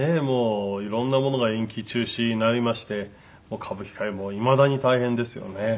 もういろんなものが延期中止になりまして歌舞伎界もいまだに大変ですよね。